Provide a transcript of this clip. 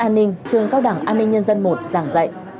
an ninh trường cao đẳng an ninh nhân dân một giảng dạy